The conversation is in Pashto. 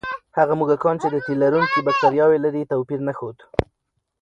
هغه موږکان چې د تیلرونکي بکتریاوې لري، توپیر نه ښود.